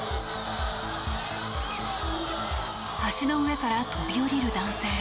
橋の上から飛び降りる男性。